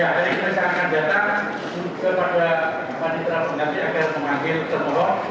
hari ini saya akan datang kepada panitra pengganti agar menganggil termohon